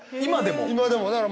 今でも！